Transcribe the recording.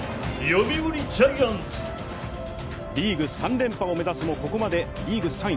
リーグ３連覇を目指すもここまでリーグ３位。